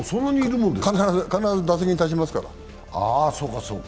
必ず打席に立ちますから。